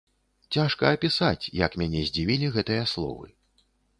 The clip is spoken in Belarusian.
Цяжка апісаць, як мяне здзівілі гэтыя словы.